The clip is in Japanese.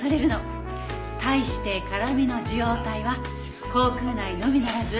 対して辛味の受容体は口腔内のみならず。